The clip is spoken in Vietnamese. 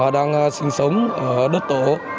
đang sinh sống ở đất tổ